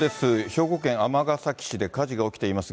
兵庫県尼崎市で火事が起きています。